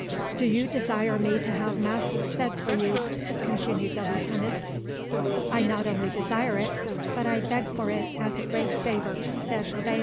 "Do you desire me to have masses said for you?" continued the lieutenant. "I not only desire it, but I beg for it as a great favour," said Urbain.